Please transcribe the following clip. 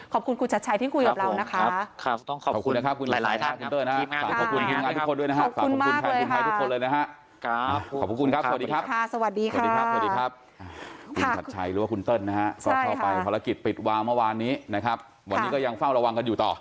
คุณถัดใช้หรือว่าคุณเติ้ลนะฮะภารกิจปิดวาวเมื่อวานนี้นะครับวันนี้ก็ยังเฝ้าระวังกันอยู่ต่อ